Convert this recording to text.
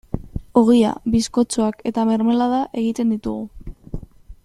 Ogia, bizkotxoak eta mermelada egiten ditugu.